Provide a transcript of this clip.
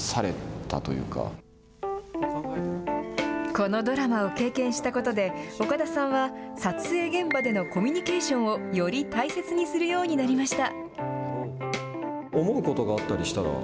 このドラマを経験したことで、岡田さんは撮影現場でのコミュニケーションをより大切にするようになりました。